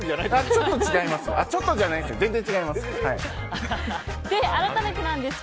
ちょっと違います。